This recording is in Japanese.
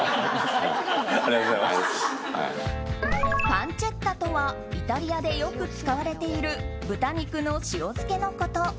パンチェッタとはイタリアでよく使われている豚肉の塩漬けのこと。